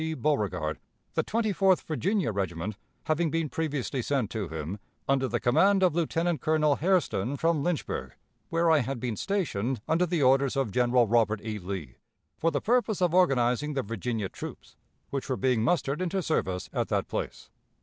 Beauregard, the Twenty fourth Virginia Regiment having been previously sent to him, under the command of Lieutenant Colonel Hairsten, from Lynchburg, where I had been stationed under the orders of General Robert E. Lee, for the purpose of organizing the Virginia troops which were being mustered into service at that place....